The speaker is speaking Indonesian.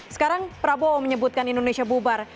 sekarang prabowo menyebutkan indonesia bubar